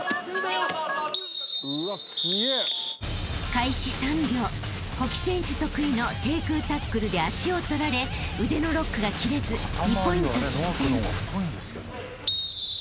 ［開始３秒甫木選手得意の低空タックルで脚をとられ腕のロックが切れず２ポイント失点］